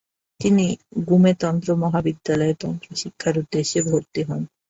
তিনি গ্যুমে তন্ত্র মহাবিদ্যালয়ে তন্ত্র শিক্ষার উদ্দেশ্যে ভর্তি হন।